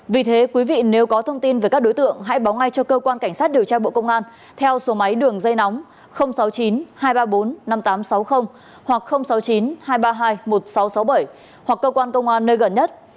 vì thế quý vị nếu có thông tin về các đối tượng hãy báo ngay cho cơ quan cảnh sát điều tra bộ công an theo số máy đường dây nóng sáu mươi chín hai trăm ba mươi bốn năm nghìn tám trăm sáu mươi hoặc sáu mươi chín hai trăm ba mươi hai một nghìn sáu trăm sáu mươi bảy hoặc cơ quan công an nơi gần nhất